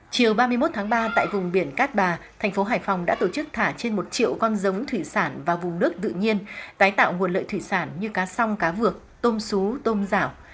chiều ba mươi một tháng ba tại vùng biển cát bà thành phố hải phòng đã tổ chức thả trên một triệu con giống thủy sản vào vùng nước tự nhiên tái tạo nguồn lợi thủy sản như cá song cá vược tôm sú tôm rảo